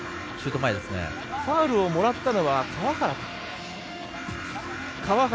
ファウルをもらったのは川原。